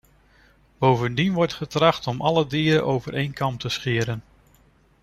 Bovendien wordt getracht om alle dieren over een kam te scheren.